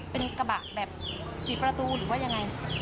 เป็นกระบะแบบสีประตูหรือว่ายังไง